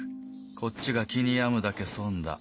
こっちが気に病むだけ損だ。